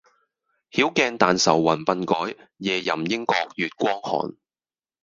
曉鏡但愁云鬢改，夜吟應覺月光寒。